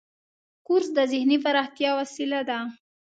کورس د ذهني پراختیا وسیله ده.